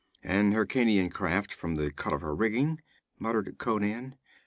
'An Hyrkanian craft, from the cut of her rigging,' muttered Conan.